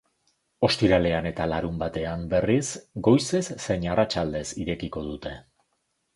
Ostiralean eta larunbatean, berriz, goizez zein arratsaldez irekiko dute.